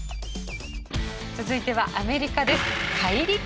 続いてはアメリカです。